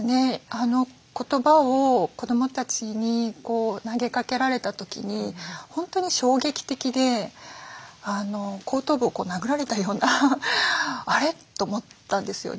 あの言葉を子どもたちに投げかけれられた時に本当に衝撃的で後頭部を殴られたようなあれ？と思ったんですよね。